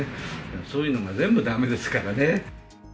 そういうのが全部だめですからね。